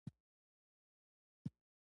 د پولې دواړو غاړو ته داسې بنسټونه شتون لري.